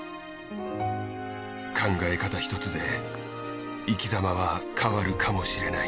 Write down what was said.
考え方ひとつで生きざまは変わるかもしれない。